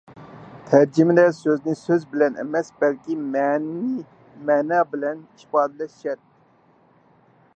تەرجىمىدە «سۆزنى سۆز بىلەن» ئەمەس، بەلكى «مەنىنى مەنە بىلەن» ئىپادىلەش شەرت.